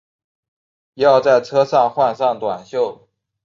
要在车上换上短袖